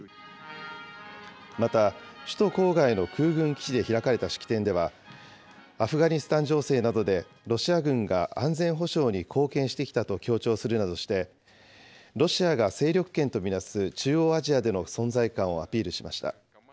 また首都郊外の空軍基地で開かれた式典では、アフガニスタン情勢などでロシア軍が安全保障に貢献してきたと強調するなどして、ロシアが勢力圏と見なす中央アジアでの存在感をアピールしました。